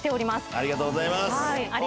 ありがとうございます。